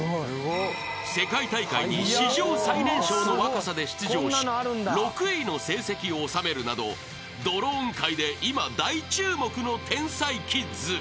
［世界大会に史上最年少の若さで出場し６位の成績を収めるなどドローン界で今大注目の天才キッズ］